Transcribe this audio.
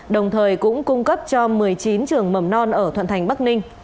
đồng thời cũng cung cấp cho một mươi chín trường mầm non ở thuận thành bắc ninh